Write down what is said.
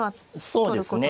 そうですね。